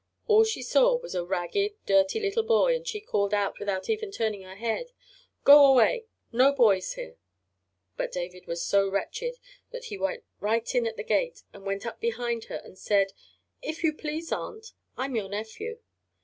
All she saw was a ragged, dirty little boy, and she called out, without even turning her head: "Go away; no boys here!" But David was so wretched that he went right in at the gate and went up behind her and said: "If you please, aunt, I'm your nephew."